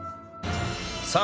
さあ